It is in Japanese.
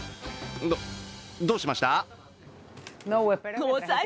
ど、どうしました？